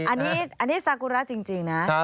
อันนี้ซากุระจริงนะ